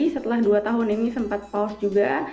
setelah dua tahun ini sempat post juga